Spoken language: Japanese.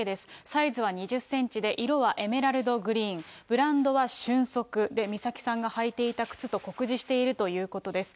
サイズは２０センチで、色はエメラルドグリーン、ブランドはシュンソクで、美咲さんが履いていた靴と酷似しているということです。